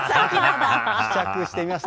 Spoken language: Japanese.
試着してみました。